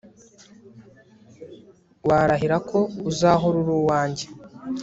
warahira ko uzahora ari uwanjye